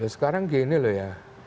sekarang gini loh ya